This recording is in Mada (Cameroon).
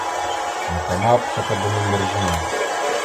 Naka ma, pəslakala membirez a ne.